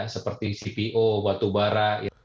seperti cpo batubara